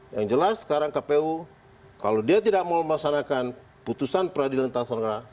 yang jelas sekarang kpu kalau dia tidak mau memaksanakan putusan peradilan tata soekarno